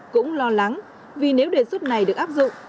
cũng lo lắng vì nếu đề xuất này được áp dụng